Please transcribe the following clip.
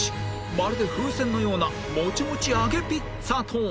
まるで風船のようなもちもち揚げピッツァとは！？